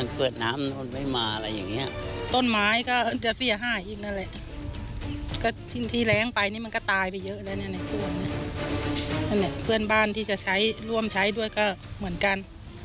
เพื่อนบ้านที่จะใช้ร่วมใช้ด้วยก็เหมือนกัน